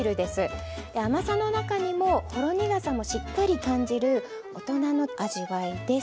甘さの中にもほろ苦さもしっかり感じる大人の味わいです。